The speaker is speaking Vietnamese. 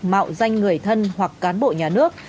mạo danh người thân hoặc cán bộ nhà nước